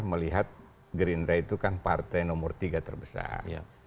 melihat gerindra itu kan partai nomor tiga terbesar